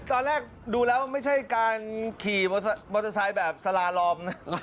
ตอนแรกดูแล้วไม่ใช่การขี่มอเตอร์ไซค์แบบสลาลอมนะ